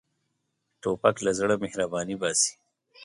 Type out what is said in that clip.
توپک له زړه مهرباني باسي.